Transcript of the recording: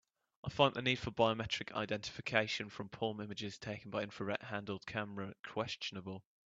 I find the need for biometric identification from palm images taken by infrared handheld camera questionable.